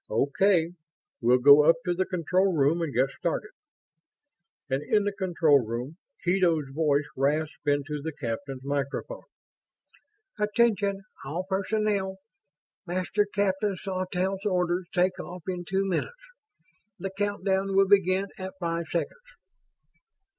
"Okay. We'll go up to the control room and get started." And in the control room, Kedo's voice rasped into the captain's microphone. "Attention, all personnel! Master Captain Sawtelle orders take off in two minutes. The countdown will begin at five seconds....